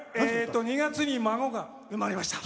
２月に孫が生まれました。